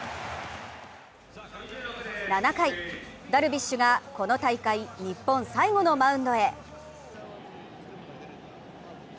７回、ダルビッシュがこの大会、日本最後のマウンドへ。